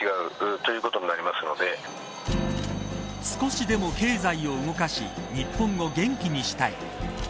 少しでも経済を動かし日本を元気にしたい。